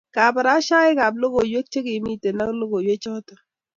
Kabarashaik ab lokoiwek ko kimiten ak lokoiwek chaton